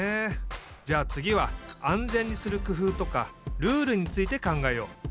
じゃあつぎはあんぜんにするくふうとかルールについて考えよう。